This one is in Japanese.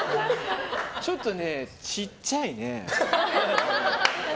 ちょっとね、ちっちゃいね。